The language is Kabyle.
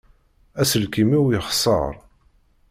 Aselkim-iw yexseṛ.